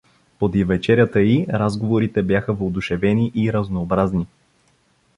Подир вечерята й разговорите бяха въодушевени и разнообразни.